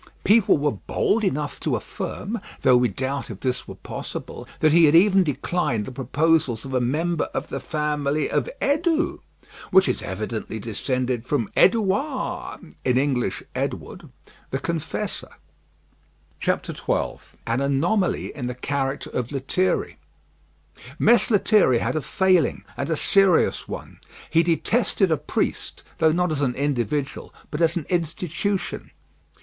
People were bold enough to affirm, although we doubt if this were possible, that he had even declined the proposals of a member of the family of Edou, which is evidently descended from "Edou ard" (Anglicè Edward) the Confessor. XII AN ANOMALY IN THE CHARACTER OF LETHIERRY Mess Lethierry had a failing, and a serious one. He detested a priest; though not as an individual, but as an institution.